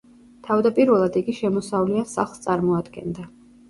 თავდაპირველად იგი შემოსავლიან სახლს წარმოადგენდა.